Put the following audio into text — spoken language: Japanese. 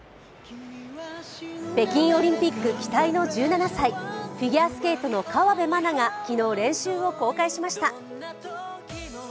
北京オリンピック期待の１７歳、フィギュアスケートの河辺愛菜が昨日練習を公開しました。